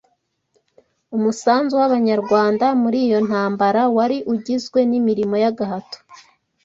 umusanzu w’Abanyarwanda muri iyo ntambara wari ugizwe n’imirimo y’agahato